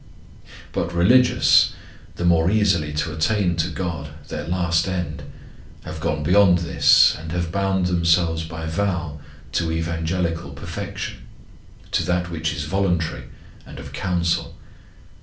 1 But religious, the more easily to attain to God, their last end, have gone beyond this, and have bound themselves by vow to evangelical perfection, to that which is voluntary and of counsel.